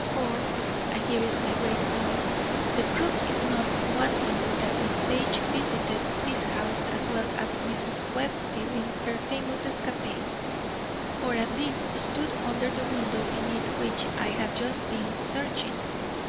For, and here is my great point, the proof is not wanting that Miss Page visited this house as well as Mrs. Webb's during her famous escapade; or at least stood under the window beneath which I have just been searching.